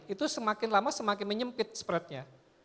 itu semakin lama semakin menyempit spretnya